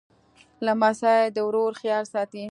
لمسی د ورور خیال ساتي.